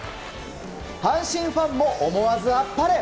阪神ファンも思わずあっぱれ。